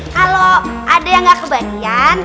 kalau ada yang gak kebahagiaan